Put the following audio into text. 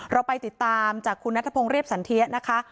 เราไปติดตามจากคุณนัทพงศ์เรียบสันเทียนะคะ